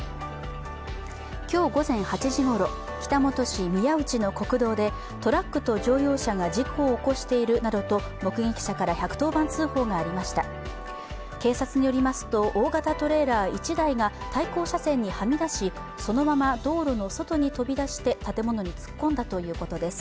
今日午前８時ごろ、北本市宮内の国道でトラックと乗用車が事故を起こしているなどと目撃者から１１０番通報がありました警察によりますと、大型トレーラー１台が対向車線にはみ出しそのまま道路の外に飛び出して建物に突っ込んだということです。